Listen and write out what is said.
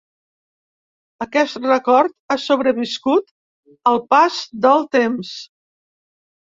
Aquest record ha sobreviscut al pas del temps.